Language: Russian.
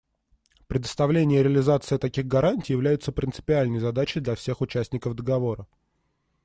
Предоставление и реализация таких гарантий является принципиальной задачей для всех участников Договора.